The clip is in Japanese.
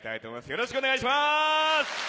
よろしくお願いします！